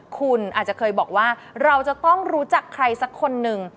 คุณอาจจะเคยบอกว่าเราจะต้องรู้จักใครสักคนหนึ่ง